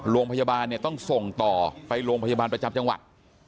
โรงพยาบาลเนี่ยต้องส่งต่อไปโรงพยาบาลประจำจังหวัด